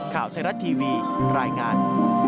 ข่าวไทยรัฐทีวีรายงาน